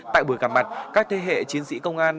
tại buổi gặp mặt các thế hệ chiến sĩ công an